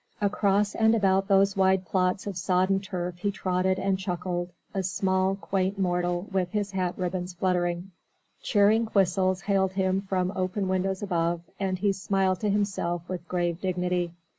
Across and about those wide plots of sodden turf he trotted and chuckled, a small, quaint mortal with his hat ribbons fluttering. Cheering whistles hailed him from open windows above, and he smiled to himself with grave dignity.